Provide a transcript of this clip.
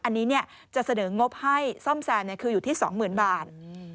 อันนี้จะเสนองบให้ซ่อมแซมคืออยู่ที่๒๐๐๐บาท